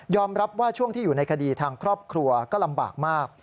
รับว่าช่วงที่อยู่ในคดีทางครอบครัวก็ลำบากมาก